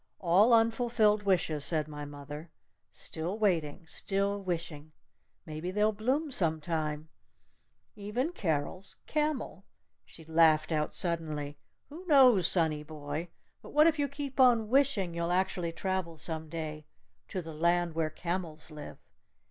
"All unfulfilled wishes," said my mother. "Still waiting still wishing! Maybe they'll bloom some time! Even Carol's camel," she laughed out suddenly. "Who knows, sonny boy but what if you keep on wishing you'll actually travel some day to the Land Where Camels Live?